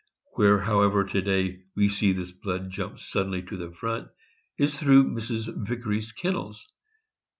Where, however, we to day see this blood jump suddenly to the front, is through Mr. Yicary's kennels.